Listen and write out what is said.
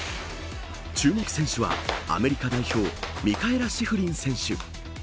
注目選手はアメリカ代表ミカエラ・シフリン選手。